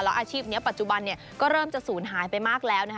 อาชีพนี้ปัจจุบันก็เริ่มจะสูญหายไปมากแล้วนะคะ